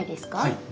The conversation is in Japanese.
はい。